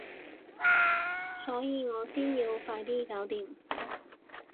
所以我先要快啲搞掂